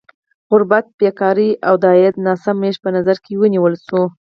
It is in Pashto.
غربت، بېکاري او د عاید ناسم ویش په نظر کې ونیول شول.